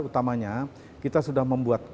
utamanya kita sudah membuat